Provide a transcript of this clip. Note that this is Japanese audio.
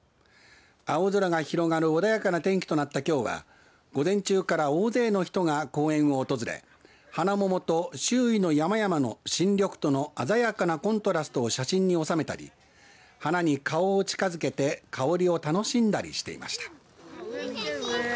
青空が広がる穏やかな天気となったきょうは午前中から大勢の人が公園を訪れハナモモと周囲の山々の新緑との鮮やかなコントラストを写真に収めたり花に顔を近づけて香りを楽しんだりしていました。